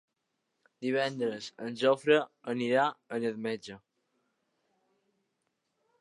Divendres en Jofre irà al metge.